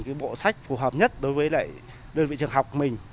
cái bộ sách phù hợp nhất đối với lại đơn vị trường học mình